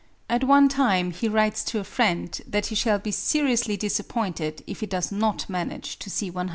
At one time he writes to a friend that he shall be seriously disappointed if he does not manage to see 100 years.